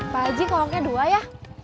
pak aji koleknya dua ya